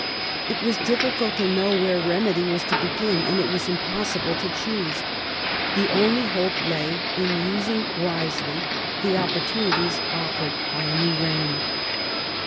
It was difficult to know where remedy was to begin, and it was impossible to choose. The only hope lay in using wisely the opportunities offered by a new reign.